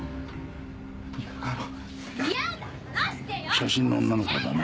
写真の女の子だな。